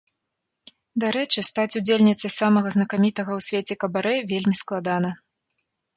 Дарэчы, стаць удзельніцай самага знакамітага ў свеце кабарэ вельмі складана.